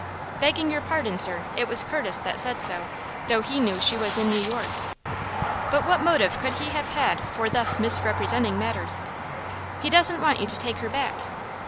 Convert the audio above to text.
"Begging your pardon, sir, it was Curtis that said so, though he knew she was in New York." "But what motive could he have had for thus misrepresenting matters?" "He doesn't want you to take her back."